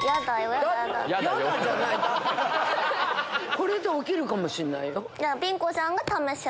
これで起きるかもしれないよ。